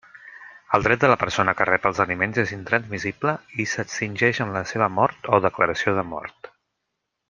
El dret de la persona que rep els aliments és intransmissible i s'extingeix amb la seva mort o declaració de mort.